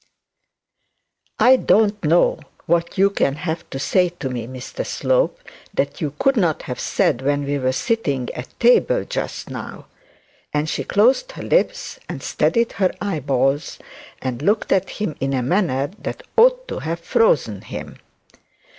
'I don't know what you can have to say to me, Mr Slope, that you could not have said when we were sitting at table just now;' and she closed her lips, and steadied her eyeballs and looked at him in a manner that ought to have frozen him.